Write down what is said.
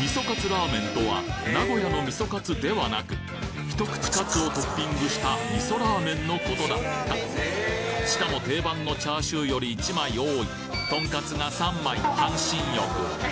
みそカツラーメンとは名古屋の味噌カツではなく一口カツをトッピングした味噌ラーメンのことだったしかも定番のチャーシューより１枚多いトンカツが３枚半身浴。